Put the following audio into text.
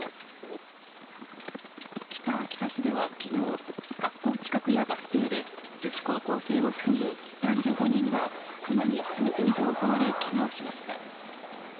北秋田市では、昨日学校近くやバス停で女子高校生を含む男女５人がクマに次々と襲われけがをしました。